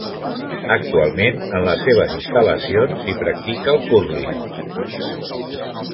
Actualment, en les seves instal·lacions s'hi practica el cúrling.